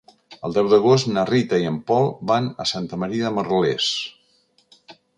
El deu d'agost na Rita i en Pol van a Santa Maria de Merlès.